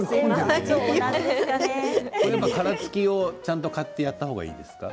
殻つきを買ってやったほうがいいんですか？